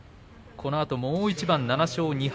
このあと、もう一番７勝２敗